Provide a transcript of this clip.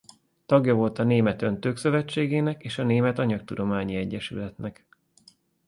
Tagja volt a Német Öntők Szövetségének és a Német Anyagtudományi Egyesületnek.